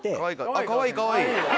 あっかわいいかわいい。